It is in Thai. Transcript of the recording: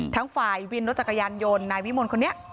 ฝ่ายวินรถจักรยานยนต์นายวิมลคนนี้